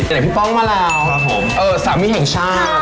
ไหนพี่ป้อมมาแล้วสามีแห่งชาติครับผม